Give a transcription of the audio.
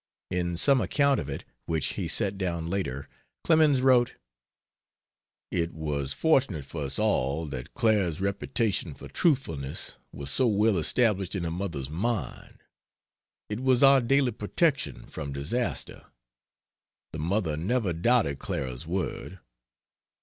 In some account of it, which he set down later, Clemens wrote: "It was fortunate for us all that Clara's reputation for truthfulness was so well established in her mother's mind. It was our daily protection from disaster. The mother never doubted Clara's word.